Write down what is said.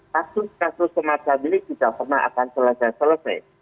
kasus kasus semacam ini tidak pernah akan selesai selesai